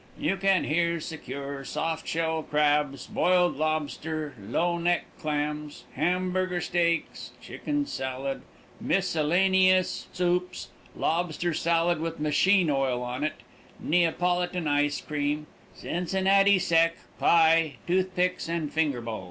You can here secure soft shell crabs, boiled lobster, low neck clams, Hamburger steaks, chicken salad, miscellaneous soups, lobster salad with machine oil on it, Neapolitan ice cream, Santa Cruz rum, Cincinnati Sec, pie, tooth picks, and finger bowls."